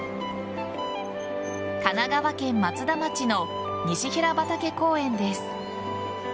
神奈川県松田町の西平畑公園です。